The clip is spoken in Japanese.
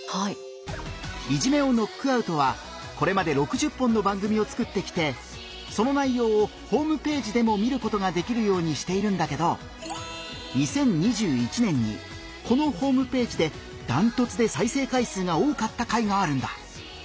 「いじめをノックアウト」はこれまで６０本の番組を作ってきてその内容をホームページでも見ることができるようにしているんだけど２０２１年にこのホームページでダントツで再生回数が多かった回があるんだ。